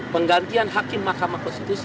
penggantian hakim mahkamah konstitusi